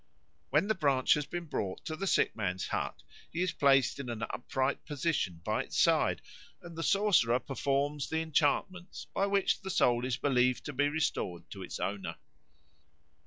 When the branch has been brought to the sick man's hut, he is placed in an upright position by its side, and the sorcerer performs the enchantments by which the soul is believed to be restored to its owner.